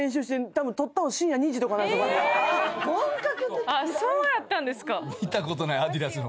・・本格的・あそうやったんですか。